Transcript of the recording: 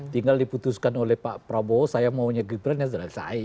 tinggal diputuskan oleh pak prabowo saya maunya gibran ya selesai